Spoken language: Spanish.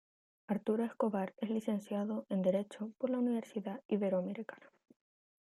Arturo Escobar es licenciado en Derecho por la Universidad Iberoamericana.